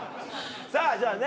さぁじゃあね